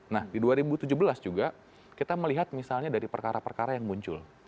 nah di dua ribu tujuh belas juga kita melihat misalnya dari perkara perkara yang muncul